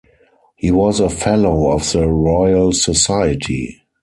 He was a Fellow of the Royal Society.